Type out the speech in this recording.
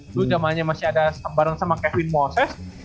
itu jamannya masih ada bareng sama kevin moses